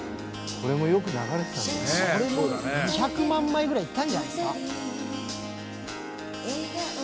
これも２００万枚ぐらいいったんじゃないですか？